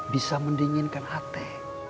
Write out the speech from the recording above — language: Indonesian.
bisa mendinginkan hati